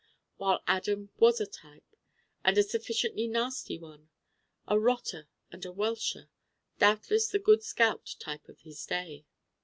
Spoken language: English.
While Adam was a type and a sufficiently nasty one: a rotter and a welcher: doubtless the Good Scout type of his day.